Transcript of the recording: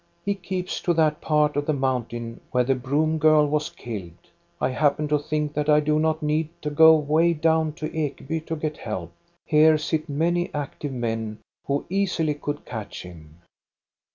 He keeps to that part of the mountain where the broom girl was killed. I happened to think that I do not need to go way down to Ekeby to get help. Here sit many active men who easily could catch him."